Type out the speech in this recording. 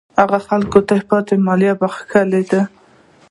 هغه خلکو ته د پاتې مالیاتو بخښل دي.